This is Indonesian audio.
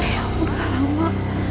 ya ampun kak rama